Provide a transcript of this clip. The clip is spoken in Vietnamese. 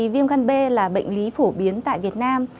viêm gan b là bệnh lý phổ biến tại việt nam